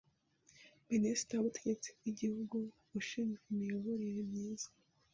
Minisiteri y’Ubutegetsi bw’Igihugu, ushinzwe imiyoborere myiza